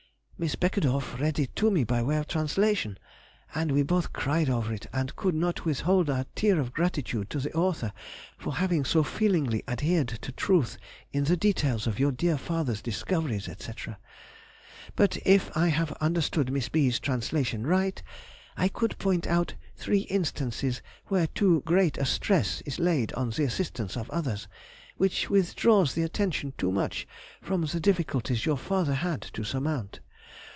Miss Beckedorf read it to me by way of translation, and we both cried over it, and could not withhold a tear of gratitude to the author for having so feelingly adhered to truth in the details of your dear father's discoveries, etc.... But if I have understood Miss B.'s translation right I could point out three instances where too great a stress is laid on the assistance of others, which withdraws the attention too much from the difficulties your father had to surmount.